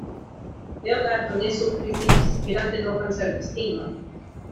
Leonardo ne surpriziĝis, vidante novan servistinon.